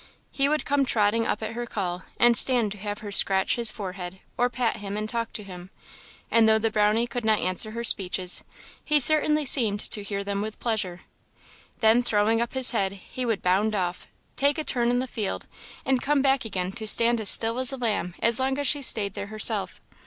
He would come trotting up at her call, and stand to have her scratch his forehead or pat him and talk to him; and though the Brownie could not answer her speeches, he certainly seemed to hear them with pleasure. Then throwing up his head he would bound off, take a turn in the field, and come back again to stand as still as a lamb as long as she stayed there herself.